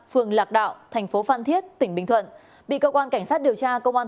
phường lạc đạo tp phan thiết tỉnh bình thuận bị cơ quan cảnh sát điều tra công an